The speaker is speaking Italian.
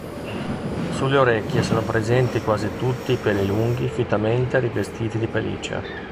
Sulle orecchie sono presenti quasi tutti peli lunghi fittamente rivestiti di pelliccia.